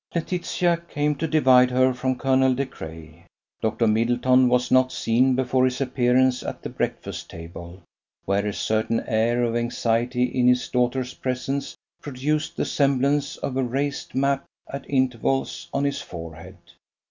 Laetitia came to divide her from Colonel De Craye. Dr. Middleton was not seen before his appearance at the breakfast table, where a certain air of anxiety in his daughter's presence produced the semblance of a raised map at intervals on his forehead.